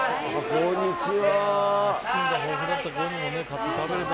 こんにちは。